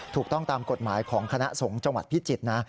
ถูกต้องตามกฎหมายของคณะสงฆ์จังหวัดพิจิตรนะ